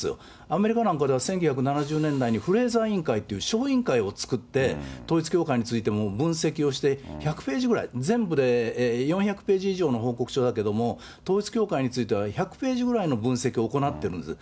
アメリカなんかでは１９７０年代にフレーザー委員会という小委員会を作って、統一教会について分析をして、１００ページぐらい、全部で４００ページ以上の報告書だけれども、統一教会については１００ページぐらいの分析を行ってるんです。